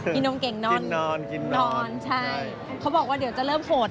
กินนมเก่งนอนใช่เขาบอกว่าเดี๋ยวจะเริ่มโหด